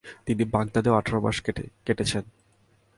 তিনি বাগদাদেও আঠারো মাস কেটেছেন।